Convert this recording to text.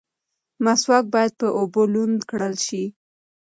مسواک باید په اوبو لوند کړل شي.